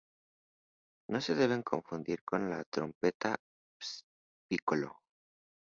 No se debe confundir con la trompeta piccolo.